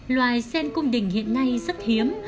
loài sen cung đình hiện nay rất hiếm